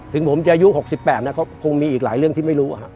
ถึงผมจะอายุ๖๘นะเขาคงมีอีกหลายเรื่องที่ไม่รู้